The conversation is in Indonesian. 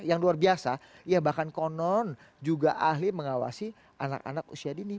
yang luar biasa ya bahkan konon juga ahli mengawasi anak anak usia dini